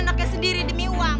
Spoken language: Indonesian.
anaknya sendiri demi uang